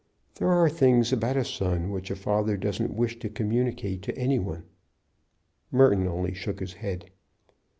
There are things about a son which a father doesn't wish to communicate to any one." Merton only shook his head.